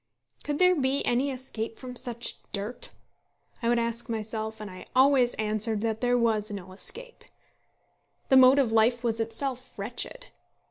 Could there be any escape from such dirt? I would ask myself; and I always answered that there was no escape. The mode of life was itself wretched.